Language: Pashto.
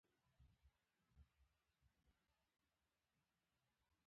• بښنه کوه، حتی که څوک یې نه غواړي.